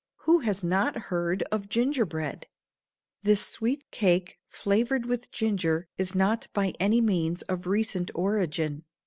Who has not heard of ginger bread? This sweet cake flavored with ginger is not by any means of recent origin.